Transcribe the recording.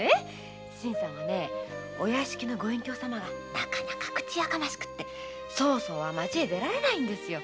新さんはお屋敷のご隠居様が口やかましくってそうそうは町へ出られないんですよ。